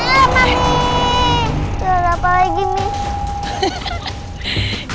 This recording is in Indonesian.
aduh mami suara apa lagi mie